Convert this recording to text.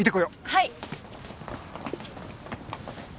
はい。